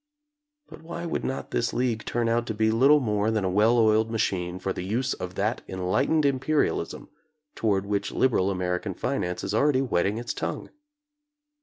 But why would not this League turn out to be little more than a well oiled machine for the use of that enlightened im perialism toward which liberal American finance is already whetting its tongue?